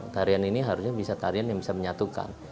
tarian ini harusnya bisa tarian yang bisa menyatukan